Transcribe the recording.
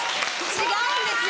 違うんですよ。